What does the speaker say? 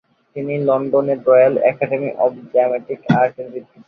তিনি লন্ডনের royal academy of dramatic আর্টের বৃত্তি পান।